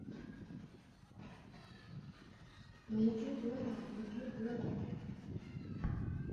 目前现任马来西亚最高元首后为来自彭亨州的东姑阿兹纱阿蜜娜。